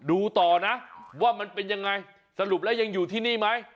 ดูต่อนะว่ามันเป็นยังไงสรุปแล้วยังอยู่ที่นี่ไหม